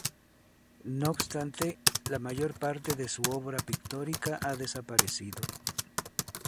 No obstante, la mayor parte de su obra pictórica ha desaparecido.